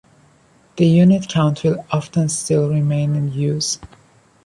The unit count will often still remain in use.